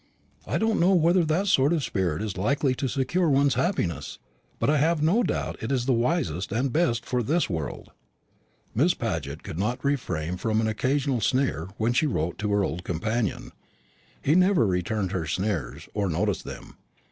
I don't know whether that sort of spirit is likely to secure one's happiness, but I have no doubt it is the wisest and best for this world." Miss Paget could not refrain from an occasional sneer when she wrote to her old companion. He never returned her sneers, or noticed them.